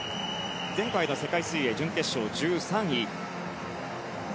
前回の世界水泳準決勝１３位。